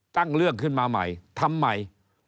ตั้งเรื่องขึ้นมาใหม่ทำไม